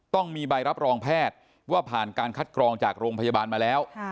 ต้องมีใบรับรองแพทย์ว่าผ่านการคัดกรองจากโรงพยาบาลมาแล้ว